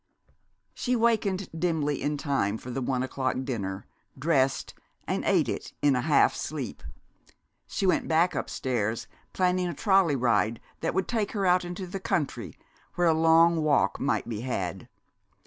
She wakened dimly in time for the one o'clock dinner, dressed, and ate it in a half sleep. She went back upstairs planning a trolley ride that should take her out into the country, where a long walk might be had.